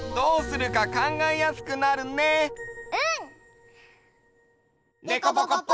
うん！